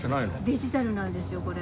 デジタルなんですよこれ。